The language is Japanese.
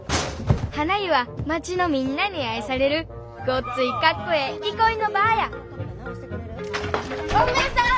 はな湯は町のみんなに愛されるごっついかっこええ憩いの場やゴンベエさん！